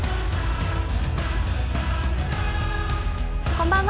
こんばんは。